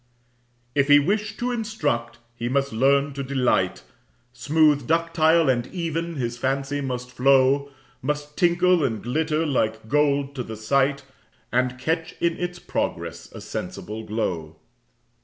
If he wish to instruct, he must learn to delight, Smooth, ductile, and even, his fancy must flow, Must tinkle and glitter like gold to the sight, And catch in its progress a sensible glow.